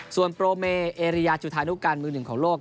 ส่วนโปรเมเอเรียจุธานุการมือหนึ่งของโลก